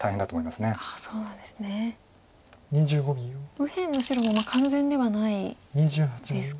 右辺の白も完全ではないですか。